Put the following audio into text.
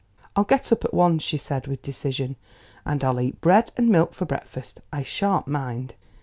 "I'll get up at once," she said with decision, "and I'll eat bread and milk for breakfast; I sha'n't mind."